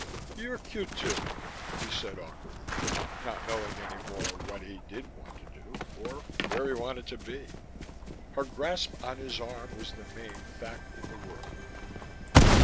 "You're cute too," he said awkwardly, not knowing any more what he did want to do, or where he wanted to be. Her grasp on his arm was the main fact in the world.